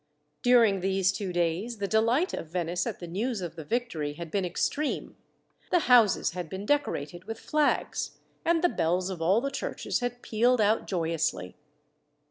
During these two days the delight of Venice at the news of the victory had been extreme. The houses had been decorated with flags, and the bells of all the churches had peeled out joyously.